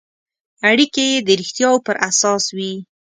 اړیکې یې د رښتیاوو پر اساس وي.